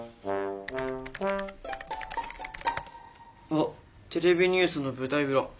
あっ「テレビニュースの舞台裏」。